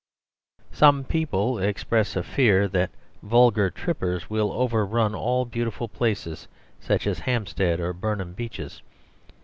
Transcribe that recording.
Some people express a fear that vulgar trippers will overrun all beautiful places, such as Hampstead or Burnham Beeches.